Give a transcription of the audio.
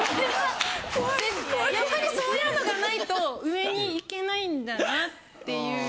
やっぱりそういうのがないと上に行けないんだなっていう。